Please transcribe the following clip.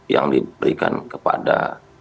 yang diberikan kepada